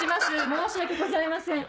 申し訳ございません。